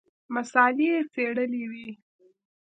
مساله یې څېړلې وي.